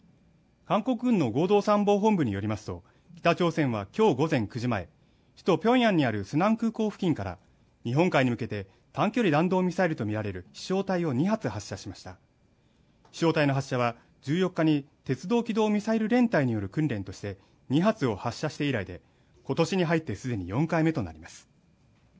韓国軍の合同参謀本部によりますと北朝鮮はきょう午前９時前首都ピョンヤンにあるスナン空港付近から日本海に向けて短距離弾道ミサイルとみられる飛翔体を２発発射しました飛翔体の発射は１４日に鉄道軌道ミサイル連隊による訓練として２発を発射して以来で今年に入ってすでに４回目となります